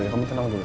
kamu tenang dulu ya